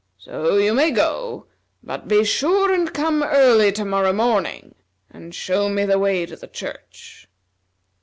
So you may go, but be sure and come early to morrow morning, and show me the way to the church."